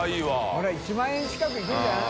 これは１万円近くいくんじゃない？